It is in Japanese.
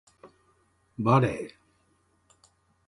バレー